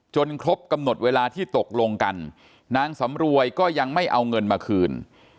ครบกำหนดเวลาที่ตกลงกันนางสำรวยก็ยังไม่เอาเงินมาคืน